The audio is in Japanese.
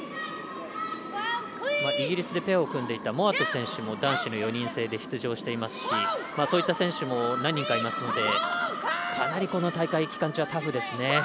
イギリスでペアを組んでいた選手も男子の４人制で出場していますしそういった選手も何人かいますのでかなりこの大会期間中はタフですね。